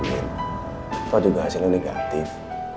kalo juga hasilnya negatif